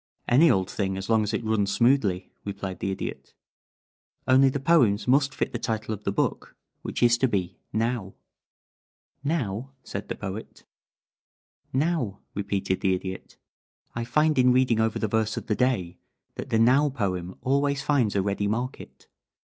"Any old thing as long as it runs smoothly," replied the Idiot. "Only the poems must fit the title of the book, which is to be Now." "Now?" said the Poet. "Now!" repeated the Idiot. "I find in reading over the verse of the day that the 'Now' poem always finds a ready market.